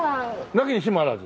なきにしもあらず？